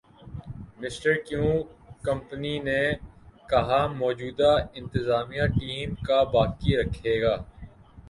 mister Kevin company نے کہا موجودہ انتظامیہ ٹیم کا باقی رکھے گا